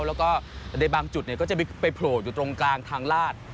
แล้วก็ในบางจุดก็จะไปโผล่อยู่ตรงกลางทางลาด